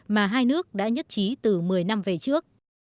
mà hai nước đã nhất trí từ một mươi năm về trước